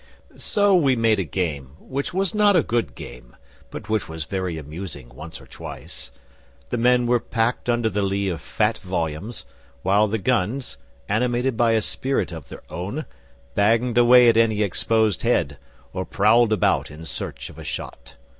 So we made a game, which was not a good game, but which was very amusing once or twice. The men were packed under the lee of fat volumes, while the guns, animated by a spirit of their own, banged away at any exposed head, or prowled about in search of a shot.